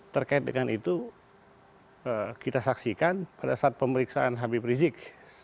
terkait dengan itu kita saksikan pada saat pemeriksaan habib rizik